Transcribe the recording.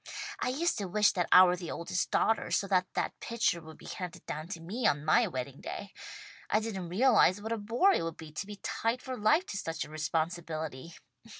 I used to wish that I were the oldest daughter, so that that pitcher would be handed down to me on my wedding day. I didn't realize what a bore it would be to be tied for life to such a responsibility.